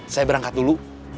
saya berangkat dulu